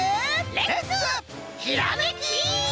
レッツひらめき！